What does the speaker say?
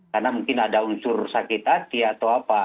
karena mungkin ada unsur sakit hati atau apa